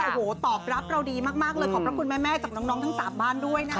โอ้โหตอบรับเราดีมากเลยขอบพระคุณแม่กับน้องทั้ง๓บ้านด้วยนะคะ